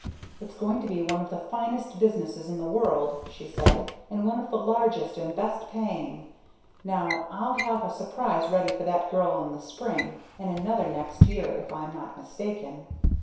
"It's going to be one of the finest businesses in the world!" she said, "And one of the largest and best paying. Now I'll have a surprise ready for that girl in the spring, and another next year, if I'm not mistaken!"